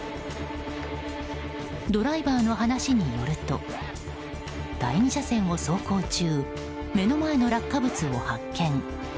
ドライバーの話によると第２車線を走行中目の前の落下物を発見。